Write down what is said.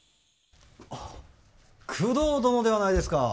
あっ工藤殿ではないですか。